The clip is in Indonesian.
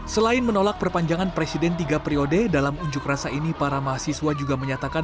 selain menolak perpanjangan presiden tiga periode dalam unjuk rasa ini para mahasiswa juga menyatakan